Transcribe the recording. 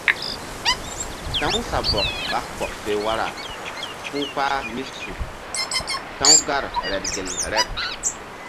Ta̧w sabɔk ɓa kɔk fe wara ku̧ kpah mí su ta̧w gar reɗ gel reɗ.